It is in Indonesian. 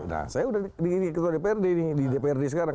nah saya udah di dprd sekarang